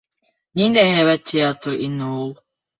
Ниндәй һәйбәт театр ине ул!